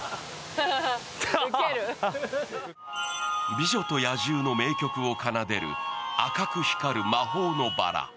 「美女と野獣」の名曲を奏でる赤く光る魔法のばら。